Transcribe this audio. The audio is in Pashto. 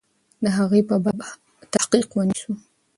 د هغې په باب تحقیق ونسو.